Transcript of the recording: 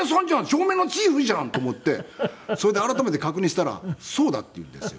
照明のチーフじゃん！と思ってそれで改めて確認したらそうだって言うんですよ。